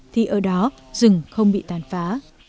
thì ở đó rừng không bị tàn phá